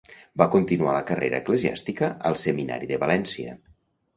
Va continuar la carrera eclesiàstica al Seminari de València.